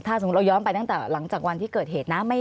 ถ้าสมมุติเราย้อนไปตั้งแต่หลังจากวันที่เกิดเหตุนะ